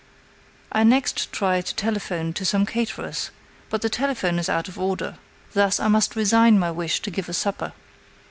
I next try to telephone to some caterers, but the telephone is out of order.... Thus I must resign my wish to give a supper."